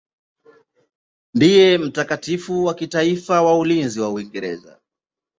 Ndiye mtakatifu wa kitaifa wa ulinzi wa Uingereza.